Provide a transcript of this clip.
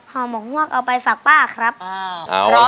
หมกงวกเอาไปฝากป้าครับ